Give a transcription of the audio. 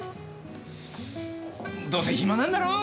どうせ暇なんだろ？